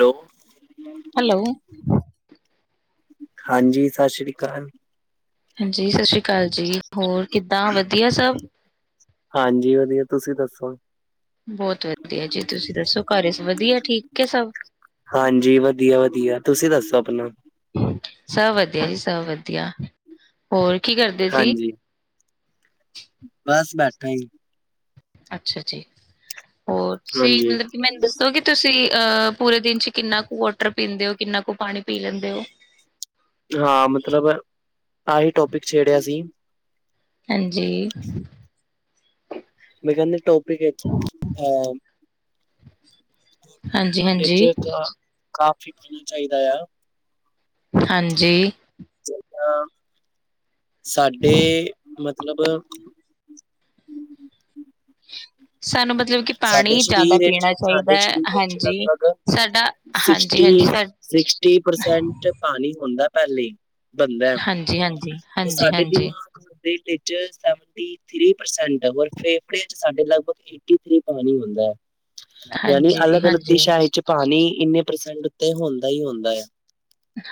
Hello. Hello. ਹਾਂਜੀ ਸਾਸਰੀ ਕਾਲ। ਹਾਂਜੀ ਸਾਸਰੀ ਕਾਲ ਜੀ, ਹੋਰ ਕਿੱਦਾਂ ਵਦੀਆ ਸਬ। ਹਾਂਜੀ ਵਦੀਆ ਤੁਸੀਂ ਦੱਸੋ ਬੋਤ ਵਦੀਆ ਜੀ ਤੁਸੀਂ ਦੱਸੋ ਘਰ ਵਦੀਆ ਠੀਕ ਏ ਸਬ। ਹਾਂਜੀ ਵਦੀਆ-ਵਦੀਆ ਤੁਸੀਂ ਦੱਸੋ ਆਪਨਾ ਸਬ ਵਦੀਆ ਜੀ ਸਬ ਵਦੀਆ, ਹੋਰ ਕੀ ਕਰਦੇ ਸੀ। ਹਾਂਜੀ ਬਸ ਬੈਠਾ ਈ। ਅੱਛਾ ਜੀ, ਹੋਰ ਤੁਸੀਂ ਹਾਂਜੀ ਮਤਲਬ ਕੀ ਮੈਨੂੰ ਦੱਸੋ ਕੇ ਤੁਸੀਂ ਅਹ ਪੂਰੇ ਦਿਨ ਚ ਕਿੰਨਾ ਕੁ ਵੋਟਰ ਪੀਂਦੇ ਓਂ ਕਿੰਨਾ ਕੁ ਪਾਨੀ ਪੀ ਲੈਂਦੇ ਓ। ਹਾਂ ਮਤਲਬ, ਆਹੀ ਟੋਪਿਕ ਛੇੜਿਆ ਸੀ। ਹਾਂਜੀ। ਮੇਂ ਕੈਂਦੇ ਟੋਪਿਕ ਇਕ ਅ [inaudible] ਹਾਂਜੀ ਹਾਂਜੀ ਨੇਚਰ ਤਾਂ ਕਾਫੀ ਪੈਨਾ ਚਾਈਦਾ ਆ ਹਾਂਜੀ। ਜਿੱਦਾਂ ਸਾਡੇ ਮਤਲਬ ਸਾਨੂੰ ਬਤ ਮਤਲਬ ਕੇ ਸਾਡੇ ਪਾਨੀ ਜਾਦਾ ਸਰੀਰ ਵਿੱਚ ਪੀਨਾ ਚਾਈਦਾ ਸਾਡੇ ਐ ਸਰੀਰ ਵਿੱਚ ਹਾਂਜੀ ਲਗਭਗ ਸਾਡਾ ਹਾਂਜੀ-ਹਾਂਜੀ ਸਿਕਸਟੀ ਸਾ ਸਿਕਸਟੀ ਪਰਸੈਂਟ ਪਾਨੀ ਹੁੰਦਾ ਪੈਲੇ ਬਨਦਾ, ਹਾਂਜੀ ਹਾਂਜੀ ਤੇ ਹਾਂਜੀ ਸਾਡੇ ਦਿਮਾ ਹਾਂਜੀ [unintelligible] ਨੇਚਰ ਚ ਸੈਵਨਟੀ ਥਰੀ ਪਰਸੈਂਟ ਆ ਪਰ ਫੇਫੜੇਆਂ ਚ ਸਾਡੇ ਲਗਭਗ ਕੀ ਪਾਨੀ ਹੁੰਦਾ ਐ ਯਾਨੀ ਹਾਂਜੀ ਜੀ ਅਲੱਗ-ਅਲੱਗ ਹਾਂਜੀ ਦਿਸ਼ਾ ਵਿੱਚ ਪਾਨੀ ਇੰਨੇ ਪਰਸੈਂਟ ਤੇ ਹੁੰਦਾ ਈ ਹੁੰਦਾ ਐ।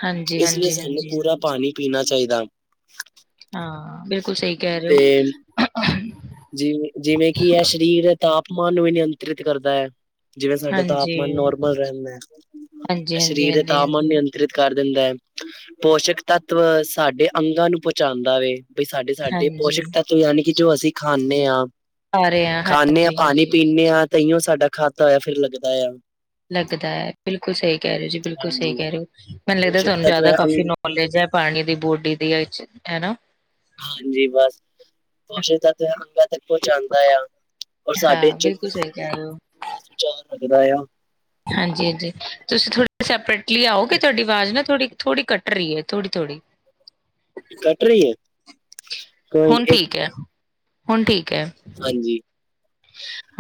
ਹਾਂਜੀ, ਇਸ ਲੀਏ ਹਾਂਜੀ, ਸਾਨੂੰ ਹਾਂਜੀ, ਪੂਰਾ ਪਾਨੀ ਪੀਨਾ ਚਾਈਦਾ। ਹਾਂ ਬਿਲਕੁਲ ਸਈ ਕੈ ਰਏ ਓਂ। ਜਿਵੇਂ-ਜਿਵੇਂ ਕੀ ਐ ਸਰੀਰ ਤਾਪਮਾਨ ਨੂੰ ਵੀ ਨਿਯੰਤਰਿਤ ਕਰਦਾ ਐ। ਜਿਵੇਂ ਸਾਡਾ ਤਾਪਮਾਨ ਹਾਂਜੀ, ਨੋਰਮਲ ਰੈਂਦੈ, ਹਾਂਜੀ, ਹਾਂਜੀ, ਸਰੀਰ ਦੇ ਹਾਂਜੀ, ਤਾਪਮਾਨ ਹਾਂਜੀ, ਨਿ ਯੰਤਰਿਤ ਕਰ ਦਿੰਦਾ ਐ, ਪੋਸ਼ਕ ਤੱਤਵ ਸਾਡੇ ਅੰਗਾਂ ਨੂੰ ਪੋਂਚਾਂਦਾ ਵੇ। ਬਈ ਸਾਡੇ-ਸਾਡੇ ਪੋਸ਼ਿਕ ਹਾਂਜੀ। ਤੱਤਵ ਯਾਨੀ ਕੀ ਜੋ ਅਸੀਂ ਖਾਂਨੇ ਆਂ। ਆ ਰਹੇ ਆ ਖਾਣੇ ਆ, ਹਾਂਜੀ, ਪਾਣੀ ਹਾਂਜੀ ਪੀਣੇ ਆ ਤਈਓ ਸਾਡਾ ਖਾਦਾ ਹੋਇਆ ਫੇਰ ਲੱਗਦਾ ਆ। ਲੱਗਦਾ ਐ, ਬਿਲਕੁਲ ਸਹੀ ਕਹਿ ਰਹੇ ਜੀ ਬਿਲਕੁਲ ਸਹੀ ਹਾਂਜੀ ਕਹਿ ਰਹੇ ਓ, ਮੈਨੂੰ ਲੱਗਦਾ ਪੋਸ਼ਕ ਤੁਹਾਨੂੰ ਤੱਤਵ ਜ਼ਿਆਦਾ ਹੈ ਕਾਫੀ ਅੰਗ ਨੋ ਨੋਲੇਜ ਐ ਪਾਣੀ ਦੀ ਬੋਡੀ ਦੀ ਐਚ ਹੈਨਾ। ਹਾਂਜੀ ਬਸ। ਪੋਸ਼ਕ ਤੱਤ ਐ ਹੁੰਦਾ ਤੇ ਅੱਗੋਂ ਜਾਂਦਾ ਆ, ਔਰ ਸਾਡੇ ਚ ਹੈਲੋ। [inaudible] ਜਾ ਲੱਗਦਾ ਆ। ਹਾਂਜੀ ਹਾਂਜੀ ਤੁਸੀਂ ਥੋੜ੍ਹੀ ਸੈਪਰਟਲੀ ਆਉਗੇ ਤੁਹਾਡੀ ਆਵਾਜ਼ ਨਾ ਥੋੜ੍ਹੀ ਥੋੜੀ ਕੱਟ ਰਈ ਐ ਥੋੜੀ ਥੋੜੀ। ਕੱਟ ਰਈ ਐ। ਹੁਣ ਠੀਕ ਐ, ਹੁਣ ਠੀਕ ਐ। ਹਾਂਜੀ।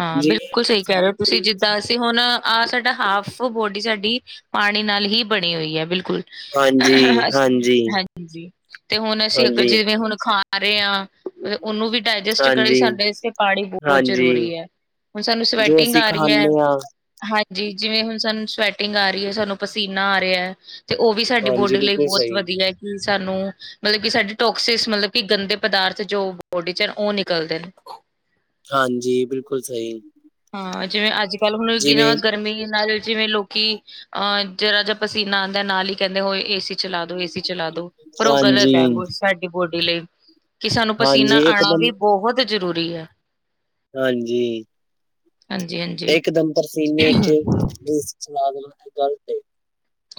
ਹਾਂ ਜਿਵੇਂ ਬਿਲਕੁਲ ਸਹੀ ਕਹਿ ਰਹੇ ਓ ਸਾਡੇ ਤੁਸੀਂ ਪ੍ਰੀਤ ਜਿੱਦਾ ਸ ਤੇ ਹੁਣ ਆਹ ਸਾਡਾ ਹਾਫ ਬੋਡੀ ਸਾਡੀ ਪਾਣੀ ਨਾਲ ਹੀ ਬਣੀ ਹੋਈ ਐ ਬਿਲਕੁਲ। ਹਾਂਜੀ, ਤੇ ਹੁਣ ਅਸੀਂ ਅੱਗੋਂ ਹਾਂਜੀ ਜਿਵੇਂ ਹੁਣ ਖਾ ਰਹੇ ਆ। ਓਹਨੂੰ ਵੀ ਡਾਇਜਸ਼ਟ ਕਰੀ ਹਾਂਜੀ ਸਾਡੇ ਆਸਤੇ ਪਾਣੀ ਬ ਬਹੁਤ ਹਾਂਜੀ ਜ਼ਰੂਰੀ ਐ, ਹੁਣ ਸਾਨੂੰ ਜੋ ਸਵੈਟਿੰਗ ਅਸੀਂ ਆ ਰਈ ਐ। ਖਾਂਦੇ ਹਾਂ ਹਾਂਜੀ, ਜਿਵੇਂ ਹੁਨ ਸਾਨੂੰ ਸਵੈਟਿੰਗ ਆ ਰਈ ਐ, ਸਾਨੂੰ ਪਸੀਨਾ ਆ ਰਿਆ। ਤੇ ਓਹ ਵੀ ਸਾਡੀ ਹਾਂਜੀ ਬੋਡੀ ਲਈ ਬਿਲਕੁਲ ਬਹੁਤ ਸਹੀ ਵਧੀਆ ਐ ਕਿ ਸਾਨੂੰ ਮਤਲਬ ਕਿ ਸਾਡੇ ਟੋਕਸਿਸ ਮਤਲਬ ਕਿ ਗੰਦੇ ਪਦਾਰਥ ਜੋ ਬੋਡੀ ਚ ਓ ਨਿਕਲਦੇ ਨੇ। ਹਾਂਜੀ ਬਿਲਕੁਲ ਸਈ। ਹਾਂ ਜਿਵੇਂ ਅੱਜ-ਕੱਲ ਹੁਣ ਕੀ ਨਾ ਗਰਮੀ ਨਾਲ ਜਿਵੇਂ ਲੋਕ ਲੋਕੀ ਐ ਜ਼ਰਾ ਜਾ ਪਸੀਨਾ ਆਂਦਾ ਨਾਲ ਈ ਕਹਿੰਦੇ ਓਏ ਏ-ਸੀ ਚਲਾ ਦੋ ਏ-ਸੀ ਚਲਾ ਦੋ। ਪਰ ਓ ਗਲਤ ਹਾਂਜੀ, ਐ ਸਾਡੀ ਬੋਡੀ ਲਈ, ਕਿ ਸਾਨੂੰ ਹਾਂਜੀ ਪਸੀਨਾ ਆਣਾ ਇਕਦਮ ਵੀ ਬੋਹਤ ਜ਼ਰੂਰੀ ਐ। ਹਾਂਜੀ। ਹਾਂਜੀ ਹਾਂਜੀ ਇਕਦਮ ਪਸੀਨੇ ਚ ਏ-ਸੀ ਚਲਾ ਦੇਣਾ ਗ਼ਲਤ ਐ।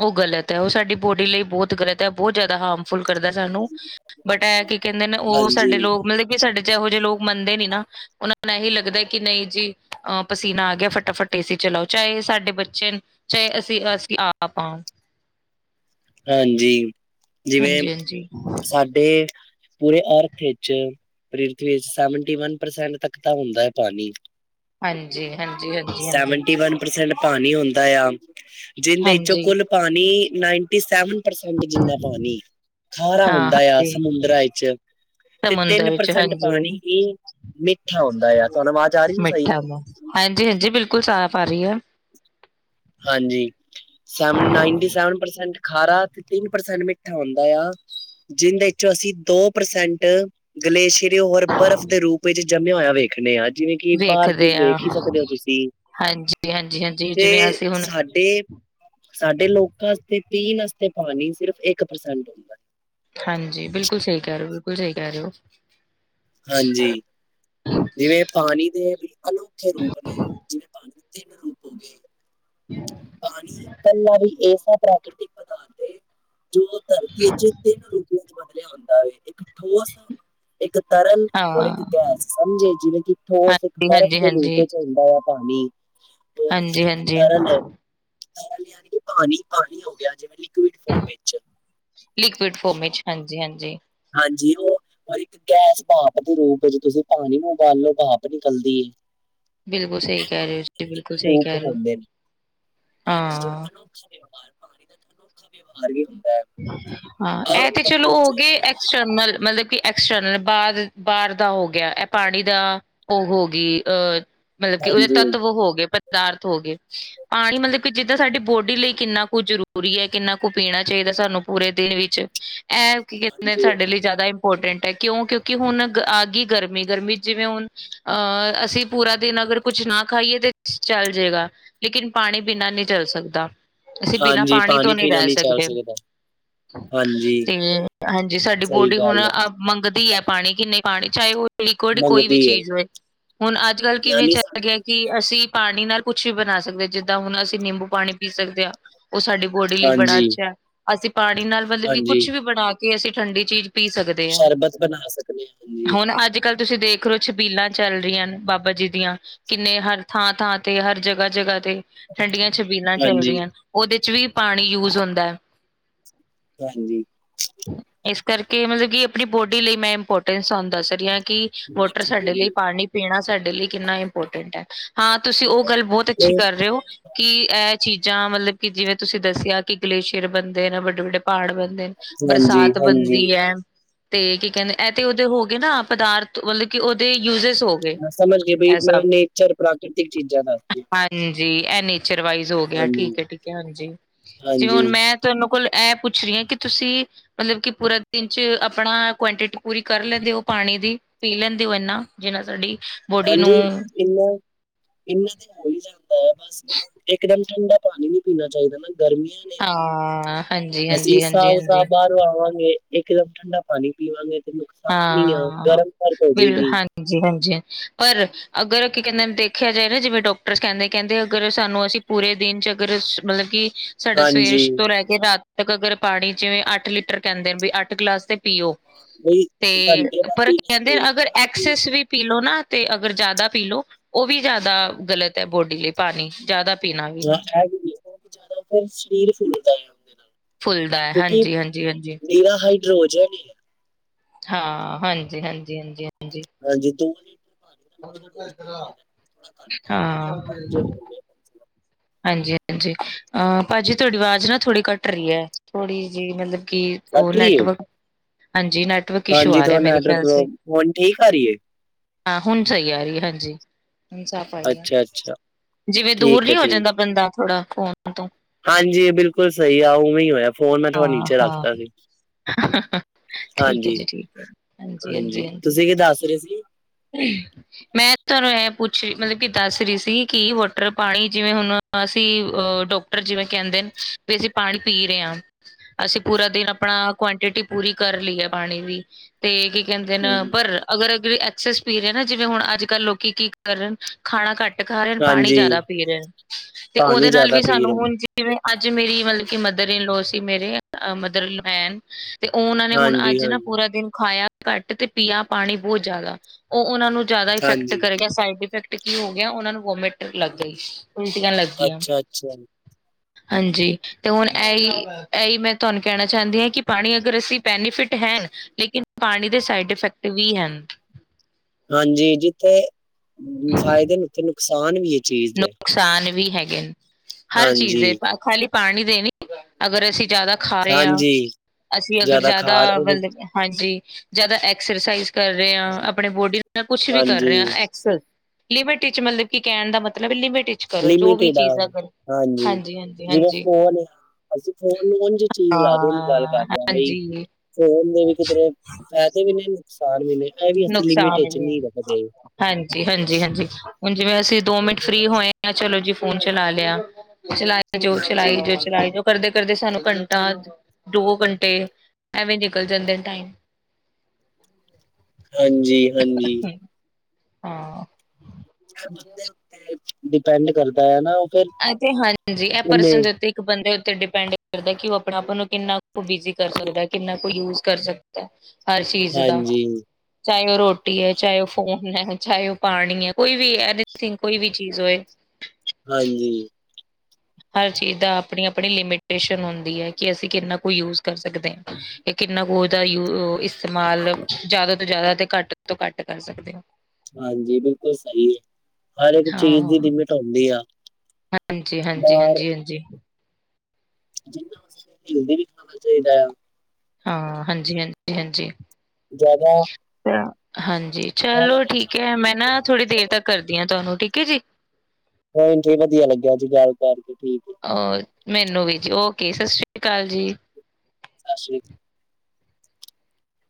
ਓ ਗਲਤ ਐ ਓ ਸਾਡੀ ਬੋਡੀ ਲਈ ਬਹੁਤ ਗਲਤ ਐ ਬਹੁਤ ਜ਼ਿਆਦਾ ਹਾਮ ਫੁੱਲ ਕਰਦਾ ਸਾਨੂੰ, ਬਟ ਐ ਕੀ ਕਹਿੰਦੇ ਨੇ ਓ ਹਾਂਜੀ, ਸਾਡੇ ਲੋਕ ਮਤਲਬ ਕਿ ਸਾਡੇ ਚ ਐਹੋ ਜੇ ਲੋਕ ਮੰਨਦੇ ਨੀ ਨਾ। ਉਹਨਾਂ ਨੂੰ ਐਹੀ ਲੱਗਦਾ ਕਿ ਨਹੀਂ ਜੀ ਅ ਪਸੀਨਾ ਆ ਗਿਆ ਫਟਾਫਟ ਏ-ਸੀ ਚਲਾਓ ਚਾਹੇ ਸਾਡੇ ਬੱਚੇ ਚਾਹੇ ਅਸੀਂ ਬਸ ਕਿ ਆਪ ਆ। ਹਾਂਜੀ, ਜਿਵੇਂ ਹਾਂਜੀ, ਹਾਂਜੀ, ਸਾਡੇ ਪੂਰੇ ਅਰਥ ਵਿੱਚ ਪ੍ਰਿਥਵੀ ਸੈਵਟੀ ਵਨ ਪਰਸੈਂਟ ਤੱਕ ਤਾਂ ਹੁੰਦਾ ਐ ਪਾਣੀ। ਹਾਂਜੀ ਹਾਂਜੀ ਹਾਂਜੀ ਹਾਂਜੀ। ਸੈਵਨਟੀ ਵਨ ਪਰਸੈਂਟ ਪਾਣੀ ਹੁੰਦਾ ਆ, ਜਿਹਦੇ ਵਿੱਚੋਂ ਹਾਂਜੀ, ਕੁੱਲ ਪਾਣੀ ਨਾਈਨਟੀ ਸੈਵਨ ਪਰਸੈਂਟ ਜਿੰਨਾ ਪਾਣੀ ਖਾਰਾ ਹਾਂ ਹੁੰਦਾ ਆ ਹਾਂਜੀ, ਸਮੁੰਦਰਾਂ ਵਿਚ। ਤੇ ਸਮੁੰਦਰ ਤਿੰਨ ਵਿੱਚ ਪਰਸੈਂਟ ਹਾਂਜੀ। ਪਾਣੀ ਹੀ ਮਿੱਠਾ ਹੁੰਦਾ ਐ, ਤੁਹਾਨੂੰ ਆਵਾਜ਼ ਆ ਰਈ ਐ ਸਈ। ਮਿੱਠਾ ਮੂੰਹ, ਹਾਂਜੀ ਹਾਂਜੀ ਬਿਲਕੁਲ ਸਾਫ਼ ਆ ਰਹੀ ਆ। ਹਾਂਜੀ। ਸੈਵਨ ਨਾਇਟੀ ਸੈਵਨ ਪਰਸੈਂਟ ਖਾਰਾ ਤੇ ਤਿੰਨ ਪਰਸੈਂਟ ਮਿੱਠਾ ਹੁੰਦਾ ਆ। ਜਿਹਦੇ ਚੋਂ ਅਸੀਂ ਦੋ ਪ੍ਰਸੈਂਟ ਗਲੇਸ਼ੀਅਰ ਤੇ ਹੋਰ ਬਰਫ਼ ਦੇ ਰੂਪ ਵਿੱਚ ਜੰਮਿਆ ਹੋਇਆ ਵੇਖਣੇ ਆ। ਜਿਵੇਂ ਕਿ ਬਾਹਰ ਬੂਰ ਵੇਖਦੇ ਹਾਂ, ਵੇਖ ਹੀ ਸਕਦੇ ਹੋ ਤੁਸੀਂ, ਹਾਂਜੀ, ਹਾਂਜੀ, ਹਾਂਜੀ ਤੇ ਜਿਵੇਂ ਅਸੀਂ ਹੁਣ ਸਾਡੇ ਸਾਡੇ ਲੋਕਾਂ ਵਾਸਤੇ ਪੀਣ ਵਾਸਤੇ ਪਾਣੀ ਸਿਰਫ ਇੱਕ ਪਰਸੈਂਟ ਹੁੰਦਾ। ਹਾਂਜੀ ਬਿਲਕੁਲ ਸਹੀ ਕਹਿ ਰਹੇ ਹੋ ਬਿਲਕੁਲ ਸਹੀ ਕਹਿ ਰਹੇ ਹੋ। ਹਾਂਜੀ। ਜਿਵੇਂ ਪਾਣੀ ਦੇ ਵੀ ਅਨੋਖੇ ਰੂਪ ਨੇ ਜਿਵੇਂ ਪਾਣੀ ਦੇ ਤਿੰਨ ਰੂਪ ਹੋ ਗਏ। [inaudible] ਪਾਣੀ ਇਕੱਲਾ ਵੀ ਇਸ ਪ੍ਰਕ੍ਰਤਿਕ ਪਦਾਰਥ ਆ ਜੋ ਧਰਤੀ ਵਿਚ ਤਿੰਨ ਰੂਪ ਬਦਲਿਆ ਹੁੰਦਾ ਵੇ ਇੱਕ ਠੋਸ ਇੱਕ ਤਰਲ ਹਾਂ, ਔਰ ਇੱਕ ਗੈਸ ਸਮਝੇ ਜਿਵੇਂ ਕਿ ਠੋਸ ਇੱਕ ਹਾਂਜੀ, ਤਰਲ ਹਾਂਜੀ, ਦੇ ਰੂਪ ਚ ਹੁੰਦਾ ਆ। ਪਾਣੀ, ਔਰ ਇੱਕ ਹਾਂਜੀ-ਹਾਂਜੀ। ਤਰਲ ਤਰਲ ਜਾਣੀ ਪਾਣੀ-ਪਾਣੀ ਹੋ ਗਿਆ ਜਿਵੇਂ ਲਿਕੁਿਡ ਫੋਮ ਵਿੱਚ ਲਿਕੁਿਡ ਫੋਮ ਵਿਚ ਹਾਂਜੀ-ਹਾਂਜੀ। ਹਾਂਜੀ ਉਹ ਔਰ ਇੱਕ ਗੈਸ ਭਾਫ਼ ਦੇ ਰੂਪ ਵਿੱਚ ਤੁਸੀਂ ਪਾਣੀ ਨੂੰ ਉਬਾਲੋ ਭਾਫ਼ ਨਿਕਲਦੀ ਏ। ਬਿਲਕੁਲ ਸਹੀ ਕਹਿ ਰਹੇ ਹੋ ਜੀ, ਬਿਲਕੁਲ ਸਹੀ ਹੋਪ ਕਹਿ ਰਹੇ ਹੋ, ਹੁੰਦੇ ਨੇ। ਹਾਂਜੀ ਜੇ ਹਾਂ। ਅਨੋਖਾ ਵਿਵਹਾਰ ਪਾਣੀ ਦਾ ਤਾਂ ਅਨੋਖਾ ਵਿਵਹਾਰ ਵੀ ਹੁੰਦਾ ਹੈ। ਹਾਂ ਇਹ ਆਮ ਤੇ ਤੌਰ ਚਲੋ ਹੋ ਵਿੱਚ ਗਏ ਐਕਸਟਰਨਲ ਮਤਲਬ ਕਿ ਐਕਸਟਰਨਲ ਬਾਹਰ, ਬਾਹਰ ਦਾ ਹੋ ਗਿਆ ਇਹ ਪਾਣੀ ਦਾ ਉਹ ਹੋ ਗਈ ਅ ਮਤਲਬ ਕਿ ਉਹਦੇ ਹਾਂਜੀ, ਤੱਤਵ ਹੋ ਗਏ ਪਦਾਰਥ ਹੋ ਗਏ, ਪਾਣੀ ਮਤਲਬ ਕਿ ਜਿੱਦਾਂ ਸਾਡੀ ਬੋਡੀ ਲਈ ਕਿੰਨਾ ਕੁ ਜ਼ਰੂਰੀ ਹੈ ਕਿੰਨਾ ਕੁ ਪੀਣਾ ਚਾਹੀਦਾ ਸਾਨੂੰ ਪੂਰੇ ਦਿਨ ਵਿੱਚ, ਇਹ ਕੀ ਕਹਿੰਦੇ ਨੇ ਹਾਂਜੀ, ਸਾਡੇ ਲਈ ਜ਼ਿਆਦਾ ਇੰਪੋਰਟੈਂਟ ਹੈ ਕਿਉਂ ਕਿਉਂਕਿ ਹੁਣ ਆ ਗਈ ਗਰਮੀ, ਗਰਮੀ ਜਿਵੇਂ ਹੁਣ ਅਹ ਅਸੀਂ ਪੂਰਾ ਦਿਨ ਅਗਰ ਕੁਛ ਨਾ ਖਾਈਏ ਤੇ ਚੱਲ ਜੇਗਾ। ਲੇਕਿਨ ਪਾਣੀ ਬਿਨਾਂ ਨਹੀਂ ਚੱਲ ਸਕਦਾ, ਅਸੀਂ ਬਿਨਾਂ ਹਾਂਜੀ ਪਾਣੀ ਤੋਂ ਨਹੀ ਪੀਣਾ ਰਹਿ ਨੀ ਚੱਲ ਸਕਦੇ। ਸਕਦਾ। ਹਾਂਜੀ, ਤੇ ਹਾਂਜੀ ਸਾਡੀ ਸਹੀ ਬੋਡੀ ਹੁਣ ਗੱਲ ਹੈ ਅ ਮੰਗਦੀ ਹੈ ਪਾਣੀ ਕਿੰਨੇ ਪਾਣੀ ਚਾਹੇ ਉਹ ਲੀਕਉਡ ਕੋਈ ਵੀ ਮੰਗਦੀ ਹੈ ਚੀਜ਼ ਹੋਏ, ਹੁਣ ਅੱਜ-ਕੱਲ ਕਿਵੇਂ ਯਾਨੀ ਚੱਲ ਗਏ। ਸਾਨੂੰ ਕਿ ਅਸੀਂ ਪਾਣੀ ਨਾਲ ਕੁਛ ਵੀ ਬਣਾ ਸਕਦੇ ਜਿੱਦਾਂ ਹੁਣ ਅਸੀਂ ਨਿੰਬੂ ਪਾਣੀ ਪੀ ਸਕਦੇ ਹਾਂ। ਉਹ ਸਾਡੀ ਬੋਡੀ ਲਈ ਬੜਾ ਹਾਂਜੀ, ਅੱਛਾ ਹੈ, ਅਸੀਂ ਪਾਣੀ ਨਾਲ ਮਤਲਬ ਕਿ ਹਾਂਜੀ ਕੁਛ ਵੀ ਬਣਾ ਕੇ ਕਿ ਅਸੀਂ ਠੰਡੀ ਚੀਜ਼ ਪੀ ਸਕਦੇ ਹਾਂ, ਸ਼ਰਬਤ ਬਣਾ ਸਕਦੇ ਹਾਂ ਹਾਂਜੀ, ਹੁਣ ਅੱਜ ਕੱਲ ਤੁਸੀਂ ਦੇਖ ਰਹੇ ਹੋ ਛਬੀਲਾਂ ਚੱਲ ਰਹੀਆ ਬਾਬਾ ਜੀ ਦੀਆਂ ਕਿੰਨੇ ਹਰ ਥਾਂ-ਥਾਂ ਤੇ ਹਰ ਜਗ੍ਹਾ-ਜਗ੍ਹਾ ਤੇ ਠੰਡੀਆਂ ਛਬੀਲਾਂ ਚੱਲ ਹਾਂਜੀ, ਰਹੀਆ ਉਹਦੇ ਚ ਵੀ ਪਾਣੀ ਯੂਜ ਹੁੰਦਾ। ਹਾਂਜੀ। ਇਸ ਕਰਕੇ ਮਤਲਬ ਕਿ ਆਪਣੀ ਬੋਡੀ ਲਈ ਮੈਂ ਇੰਪੋਰਟੈਂਸ ਤੁਹਾਨੂੰ ਦੱਸ ਰਹੀ ਹਾਂ ਕਿ ਵੋਟਰ ਬਹੁਤ ਸਾਡੇ ਜ਼ਰੂਰੀ ਲਈ ਪਾਣੀ ਪੀਣਾ ਸਾਡੇ ਲਈ ਕਿੰਨਾ ਇੰਪੋਰਟੈਂਟ ਹੈ ਹਾਂ ਤੁਸੀਂ ਉਹ ਗੱਲ ਬਹੁਤ ਅੱਛੀ ਤੇ ਕਰ ਰਹੇ ਹੋ। ਕਿ ਇਹ ਚੀਜ਼ਾਂ ਮਤਲਬ ਕਿ ਜਿਵੇਂ ਤੁਸੀਂ ਦੱਸਿਆ ਕਿ ਗਲੇਸ਼ੀਅਰ ਬਣਦੇ ਨੇ ਵੱਡੇ-ਵੱਡੇ ਪਹਾੜ ਬਣਦੇ ਹਾਂਜੀ, ਬਰਸਾਤ ਹਾਂਜੀ ਬਣਦੀ ਹੈ। ਤੇ ਕੀ ਕਹਿੰਦੇ ਇਹ ਤੇ ਓਦੇ ਹੋ ਗਏ ਨਾ ਪਦਾਰਥ ਮਤਲਬ ਕਿ ਉਹਦੇ ਯੂਜੇਸ ਹੋ ਗਏ ਸਮਝ ਗਈ ਵੀ ਇਹ ਮੈਂ ਸਭ ਨੇਚਰ ਪ੍ਰਾਕ੍ਰਤਿਕ ਚੀਜ਼ਾਂ ਦੱਸਦੀ। ਹਾਂਜੀ ਇਹ ਨੇਚਰ ਵਈਜ਼ ਹੋ ਗਿਆ ਹਾਂਜੀ, ਠੀਕ ਏ, ਠੀਕ ਏ ਹਾਂਜੀ, ਜਿਵੇਂ ਹਾਂਜੀ, ਹੁਣ ਮੈਂ ਤੈਨੂੰ ਕੋਲ ਐਂ ਪੁੱਛ ਰਹੀ ਹੈ ਕਿ ਤੁਸੀਂ ਮਤਲਬ ਕਿ ਪੂਰਾ ਦਿਨ ਚ ਆਪਣਾ ਕੁਆਂਟਿਟੀ ਪੂਰੀ ਕਰ ਲੈਂਦੇ ਉਹ ਪਾਣੀ ਦੀ। ਪੀ ਲੈਂਦੇ ਹੋ ਇੰਨਾ ਜਿਨਾ ਸਾਡੀ ਬੋਡੀ ਨੂੰ ਹਾਂਜੀ, ਇਨਾ, ਇਹਨਾਂ ਦੇ ਹੋ ਹੀ ਜਾਂਦਾ। ਬਸ ਇੱਕਦਮ ਠੰਡਾ ਪਾਣੀ ਨਹੀਂ ਪੀਣਾ ਚਾਹੀਦਾ ਨਾ ਗਰਮੀਆਂ ਨੇ ਹਾਂ, ਅਸੀਂ ਹਾਂਜੀ-ਹਾਂਜੀ-ਹਾਂਜੀ-ਹਾਂਜੀ। ਸਾਬ-ਸਾਬ ਬਾਹਰੋਂ ਆਵਾਂਗੇ ਇਕ ਦਮ ਠੰਡਾ ਪਾਨੀ ਪੀਵਾਂਗੇ ਤੇ ਨੁਕਸਾਨ ਈ ਆ ਗਰਮ ਸਰਦ ਹੋਜੇਗੀ। ਹਾਂਜੀ-ਹਾਂਜੀ ਪਰ ਅਗਰ ਕੀ ਕੈਂਦੇ ਦੇਖਿਆ ਜਾਏ ਨਾ ਜਿਵੇਂ ਡਾਕਟਰ ਕੈਂਦੇ, ਕੈਂਦੇ ਅਗਰ ਸਾਨੂੰ ਅਸੀਂ ਪੂਰੇ ਦਿਨ 'ਚ ਅਗਰ ਮਤਲਬ ਕਿ ਸਾਡਾ ਸਵੇਰ ਹਾਂਜੀ ਤੋ ਲੈ ਕੇ ਰਾਤ ਤੱਕ ਅਗਰ ਪਾਣੀ ਜਿਵੇ ਅੱਠ ਲੀਟਰ ਕੈਂਦੇਨ ਵੀ ਅੱਠ ਗਿਲਾਸ ਤੇ ਪੀਓ। ਬਈ ਤੇ ਘੰਟੇ ਬਾਅਦ ਪਰ ਕੀ ਪੀਣਾ ਹੀ ਕੈਂਦੇ ਪੀਣਾ ਹੈ। ਅਗਰ ਹਾਂਜੀ ਐਕਸਸ ਵੀ ਪੀ ਲੋ ਨਾ ਤੇ ਅਗਰ ਜਾਦਾ ਪੀ ਲੋ। ਓ ਵੀ ਜਾਦਾ ਗਲਤ ਐ ਬੋਡੀ ਲਈ ਪਾਨੀ ਜਾਦਾ ਪੀਨਾ ਵੀ। [unintelligible] ਓ ਜਾਦਾ ਫਿਰ ਸਰੀਰ ਫੁੱਲਦਾ ਐ। ਫੁੱਲਦਾ ਐ, ਹਾਂਜੀ, ਹਾਂਜੀ, ਹਾਂਜੀ। ਏਦਾ ਹਾਈਡੋਜਨ ਈ ਏ। ਹਾਂ ਹਾਂਜੀ, ਹਾਂਜੀ, ਹਾਂਜੀ। ਹਾਂਜੀ ਹਾਂਜੀ [unintelligible] ਹਮੇਸ਼ਾ ਰੋਜ਼ ਪੀਣਾ ਚਾਹੀਦਾ ਥੋੜਾ ਘੱਟ ਪੀਤਾ ਨਾ ਪੰਜ ਹੋ ਹਾਂ। ਗਏ ਕਮ ਸੇ ਕਮ। ਹਾਂਜੀ-ਹਾਂਜੀ ਅਹ ਭਾਜੀ ਤੁਆਡੀ ਆਵਾਜ ਨਾ ਥੋੜ੍ਹੀ ਕਟ ਰੀ ਐ ਥੋੜ੍ਹੀ ਜੀ ਮਤਲਬ ਕਿ ਓ ਕੱਟ ਰਹੀ ਏ ਨੈਟਵਰਕ ਹਾਂਜੀ ਨੈਟ ਹਾਂਜੀ ਥੋੜਾ ਨੈੱਟਵਰਕ ਪ੍ਰੋਬ ਹੁਨ ਠੀਕ ਆ ਰੀ ਏ? ਹਾਂ ਹੁਨ ਸਈ ਆ ਰੀ ਹਾਂਜੀ, ਹੁਨ ਸਾਫ਼ ਆਈ ਐ ਅੱਛਾ-ਅੱਛਾ ਜਿਵੇਂ ਦੂਰ ਠੀਕ ਨੀ ਹੈ ਹੋ ਠੀਕ ਜਾਂਦਾ। ਬੰਦਾ ਥੋੜਾ ਫੋਨ ਤੋਂ ਹਾਂਜੀ ਬਿਲਕੁਲ ਸਈ ਆ ਉਵੇਂ ਹੋਏਆ ਫੋਨ ਮੈਂ ਥੋੜਾ ਹਾਂ ਨੀਚੇ ਰੱਖਤਾ ਹਾਂ ਸੀ। ਠੀਕ ਹੈ ਜੀ ਠੀਕ ਹੈ। ਹਾਂਜੀ, ਹਾਂਜੀ, ਹਾਂਜੀ-ਹਾਂਜੀ ਹਾਂਜੀ। ਤੁਸੀਂ ਕੀ ਦੱਸ ਰੇ ਸੀ? ਮੈਂ ਤੁਆਨੂੰ ਐ ਪੁੱਛ ਰੀ ਮਤਲਬ ਕਿ ਦੱਸ ਰੀ ਸੀ ਕਿ ਵਾਟਰ ਪਾਣੀ ਜਿਵੇਂ ਹੁਣ ਅਸੀਂ ਅ ਡਾਕਟਰ ਜਿਵੇਂ ਕੈਂਦੇਨ ਵੀ ਅਸੀਂ ਪਾਣੀ ਪੀ ਰੇ ਆਂ। ਅਸੀਂ ਪੂਰਾ ਦਿਨ ਆਪਣਾ ਕੁਆਂਟਿਟੀ ਪੂਰੀ ਕਰ ਲੀ ਐ ਪਾਣੀ ਦੀ। ਤੇ ਕੀ ਕੈਂਦੇਨ ਹਾਂਜੀ, ਪਰ ਅਗਰ ਅ ਕੋਈ ਐਕਸੇਸ ਪੀ ਰਯਾ ਜਿਵੇਂ ਹੁਣ ਅੱਜ ਕੱਲ ਲੋਕੀ ਕੀ ਕਰਨ ਖਾਣਾ ਘੱਟ ਖਾ ਰੇਨ ਪਾਣੀ ਹਾਂਜੀ ਜਾਦਾ ਪੀ ਰੇ ਤੇ ਪਾਣੀ ਓਦੇ ਨਾਲ ਜ਼ਿਆਦਾ ਵੀ ਪੀ ਸਾਨੂੰ ਰਹੇ ਨੇ। ਹੁਨ ਜਿਵੇਂ ਅੱਜ ਮੇਰੀ ਮਤਲਬ ਕਿ ਮਦਰ ਇਨ ਲੋ ਸੀ ਮੇਰੇ ਮਦਰ ਇਨ ਲੋ ਆਏ ਨ ਤੇ ਓ ਓਨਾਂ ਨੇ ਹੁਨ ਹਾਂਜੀ, ਅੱਜ ਨਾ ਹਾਂਜੀ, ਪੂਰਾ ਦਿਨ ਖਾਯਾ ਘੱਟ ਤੇ ਪੀਆ ਪਾਣੀ ਬੋਤ ਜਾਦਾ। ਓ ਓਨਾਂ ਨੂੰ ਜਾਦਾ ਇਫੈਕਟ ਹਾਂਜੀ। ਕਰ ਗਯਾ, ਸਾਈਡ ਇਫੈਕਟ ਕੀ ਹੋ ਗਯਾ ਓਨਾਂ ਨੂੰ ਵੋਮਿਟ ਲੱਗ ਗਈ। ਉਲਟੀਆਂ ਲੱਗੀਆਂ ਅੱਛਾ, ਅੱਛਾ ਹਾਂਜੀ ਤੇ ਹੁਣ ਐਈ ਐਈ ਮੈਂ ਤੁਆਨੂੰ ਕੈਣਾ ਚਾਂਦੀ ਆਂ ਕਿ ਪਾਣੀ ਅਗਰ ਅਸੀਂ ਬੈਨੀਫਿਟ ਹੈਨ ਲੇਕਿਨ ਪਾਣੀ ਦੇ ਸਾਈਡ ਇਫੈਕਟ ਵੀ ਹੈਨ। ਹਾਂਜੀ ਜਿੱਥੇ ਫਾਇਦੇ ਨ ਓਥੇ ਨੁਕਸਾਨ ਵੀ ਏ। ਨੁਕਸਾਨ ਵੀ ਹੈਗੇ ਨ ਹਰ ਚੀਜ਼ ਦੇ ਹਾਂਜੀ, ਖਾਲੀ ਪਾਣੀ ਦੇ ਨੀ ਅਗਰ ਅਸੀਂ ਜਾਦਾ ਖਾ ਰੇ ਆਂ ਹਾਂਜੀ ਅਸੀਂ ਅਗਰ ਜ਼ਿਆਦਾ ਜਾਦਾ ਖਾ ਉਹ ਵੀ ਮਤਲਬ ਹਾਂਜੀ ਜਾਦਾ ਐਕਸਰਸਾਈਜ਼ ਕਰ ਰੇ ਆਂ ਆਪਣੇ ਬੋਡੀ ਯਾ ਕੁਛ ਵੀ ਕਰ ਹਾਂਜੀ ਰੇ ਆਂ ਐਕਸੇਸ ਲਿਮਿਟ ਇਚ ਮਤਲਬ ਕਿ ਕੈਨ ਦਾ ਮਤਲਬ ਲਿਮਿਟ 'ਚ ਲਮਿਟਡ ਆਹੋ ਹਾਂਜੀ ਹਾਂਜੀ ਜਿਵੇਂ ਹਾਂਜੀ ਫੋਨ ਏ ਅਸੀਂ ਫੋਨ ਨੂੰ ਉਝ ਚੀਜ਼ ਲਾ ਦੋ ਉਝ ਗੱਲ ਹਾਂ ਕਰਦੇ ਆਂ ਬਈ ਹਾਂਜੀ ਫੋਨ ਦੇ ਵੀ ਕਿਧਰੇ ਫ਼ੈਦੇ ਵੀ ਨੇ, ਨੁਕਸਾਨ ਵੀ ਨੇ ਐ ਵੀ ਅਸੀਂ ਲਿਮਿਟ ਨੁਕਸਾਨ ਇਚ ਵੀ ਹੈ। ਨੀ ਰੱਖਦੇ। ਹਾਂਜੀ, ਹਾਂਜੀ, ਹਾਂਜੀ। ਹੁਨ ਜਿਵੇਂ ਅਸੀਂ ਦੋ ਮਿੰਟ ਫਰੀ ਹੋਏ ਆਂ ਚਲੋ ਜੀ ਫੋਨ ਚਲਾ ਲਯਾ ਚਲਾ ਜੋ ਹਾਂਜੀ, ਚਲਾਈ ਜੋ, ਚਲਾਈ ਜੋ ਕਰਦੇ-ਕਰਦੇ ਸਾਨੂੰ ਘੰਟਾ, ਦੋ ਘੰਟੇ ਐਵੇਂ ਨਿਕਲ ਜਾਂਦੇ ਨ ਟਾਈਮ। ਹਾਂਜੀ। ਹਾਂਜੀ। ਹਾਂ। ਬੰਦੇ ਉਤੇ ਡਿਪੈਂਡ ਕਰਦਾ ਹੈ ਨਾ ਓ। ਅਤੇ ਹਾਂਜੀ ਇਹ ਪਰਸਨ ਦੇ ਉਤੇ ਇੱਕ ਬੰਦੇ ਉੱਤੇ ਡਿਪੈਂਡ ਕਰਦਾ ਕਿ ਉਹ ਆਪਣੇ ਆਪ ਨੂੰ ਕਿੰਨਾ ਕੁ ਬਿਜੀ ਕਰ ਸਕਦਾ ਕਿੰਨਾ ਕੁ ਯੂਜ ਕਰ ਸਕਦਾ। ਹਰ ਚੀਜ਼ ਦਾ ਹਾਂਜੀ ਚਾਹੇ ਉਹ ਰੋਟੀ ਹੈ ਚਾਹੇ ਉਹ ਫੋਨ ਹੈ ਚਾਹੇ ਉਹ ਪਾਣੀ ਹੈ ਕੋਈ ਵੀ ਇਹ ਹੈ ਐਨੀਥਿੰਗ ਕੋਈ ਵੀ ਚੀਜ਼ ਹੋਏ। ਹਾਂਜੀ ਹਰ ਚੀਜ਼ ਦਾ ਆਪਣੀ ਆਪਣੀ ਲਿਮੀਟੇਸ਼ਨ ਹੁੰਦੀ ਹੈ ਕਿ ਅਸੀਂ ਕਿੰਨਾ ਕੁ ਯੂਜ ਕਰ ਸਕਦੇ ਹਾਂ। ਤੇ ਕਿੰਨਾ ਕੁ ਉਹਦਾ ਯ ਇਸਤੇਮਾਲ, ਜ਼ਿਆਦਾ ਤੋਂ ਜ਼ਿਆਦਾ ਤੇ ਘੱਟ ਤੋਂ ਘੱਟ ਕਰ ਸਕਦੇ ਹਾਂ। ਹਾਂਜੀ, ਬਿਲਕੁਲ ਸਹੀ ਹੈ। ਹਰ ਇੱਕ ਚੀਜ਼ ਦੀ ਲਿਮਿਟ ਹੁੰਦੀ ਆ। ਹਾਂਜੀ-ਹਾਂਜੀ-ਹਾਂਜੀ-ਹਾਂਜੀ। ਜਿਨ ਹਿੰਦੀ ਵੀ ਆਣਾ ਚਾਹੀਦਾ ਆ। ਹਾਂ, ਹਾਂਜੀ-ਹਾਂਜੀ-ਹਾਂਜੀ- ਜ਼ਿਆਦਾ ਯਾ ਹਾਂਜੀ ਬਾਹਰ ਚਲੋ ਦਾ ਠੀਕ ਖਾਣ ਹੈ। ਮੈਂ ਨਾ ਥੋੜੀ ਦੇਰ ਤੱਕ ਕਰਦੀ ਹਾਂ, ਤੁਹਾਨੂੰ ਠੀਕ ਹੈ, ਜੀ। ਭੈਣ ਜੀ ਵਧੀਆ ਲੱਗਿਆ ਜੀ ਗੱਲ ਕਰਕੇ ਠੀਕ ਐ ਅ ਮੈਨੂੰ ਵੀ ਜੀ ਓਕੇ, ਸਤਿ ਸ਼੍ਰੀ ਅਕਾਲ ਜੀ। ਸਤਿ ਸ੍ਰੀ